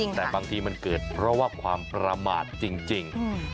แต่บางทีมันเกิดเพราะว่าความประมาทจริง